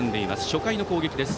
初回の攻撃です。